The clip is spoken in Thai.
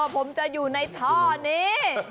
ผมจะอยู่ในท่อนี้